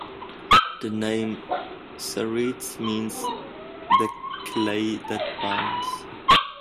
The name "Seretse" means "the clay that binds".